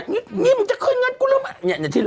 นี่มึงจะคืนเงินกูหรือไม่